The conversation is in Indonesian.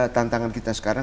tantangan kita sekarang